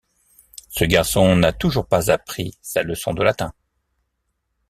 Ce garçon n’a toujours pas appris sa leçon de latin.